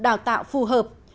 đào tạo phù hợp